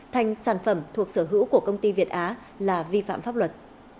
thành sản phẩm thuộc sở hữu của công ty việt á là vi phạm pháp luật